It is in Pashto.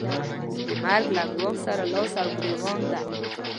د مرګ له ګواښ سره لاس او ګرېوان ده.